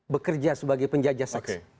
bekerja sebagai penjajah seks